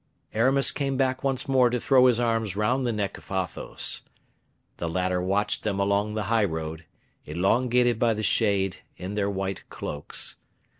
Aramis came back once more to throw his arms round the neck of Athos. The latter watched them along the high road, elongated by the shade, in their white cloaks.